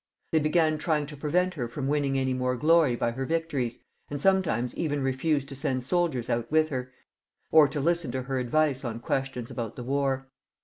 They began trying to prevent her from winning any more glory by her victories, and sometimes even refused to send soldiers out with her, or to listen to her advice on questions about the war.